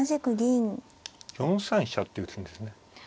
ああ４三飛車って打つんですね。